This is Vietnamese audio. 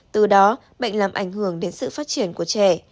từ đó bệnh làm ảnh hưởng đến sự phát triển của trẻ